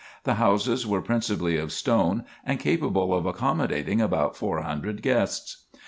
The houses were principally of stone and capable of accommodating about four hundred guests.